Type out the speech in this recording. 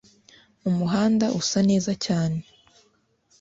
umuhanda usa neza cyane